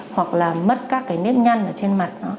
hoặc là mất các cái nếp nhăn ở trên mặt